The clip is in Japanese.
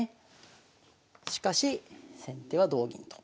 しかし先手は同銀と。